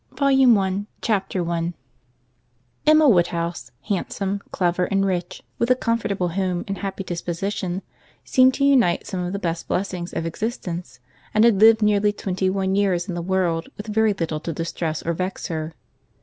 VOLUME I CHAPTER I Emma Woodhouse, handsome, clever, and rich, with a comfortable home and happy disposition, seemed to unite some of the best blessings of existence; and had lived nearly twenty one years in the world with very little to distress or vex her.